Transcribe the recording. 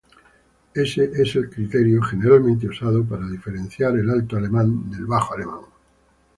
Ese es el criterio generalmente usado para diferenciar el alto alemán del bajo alemán.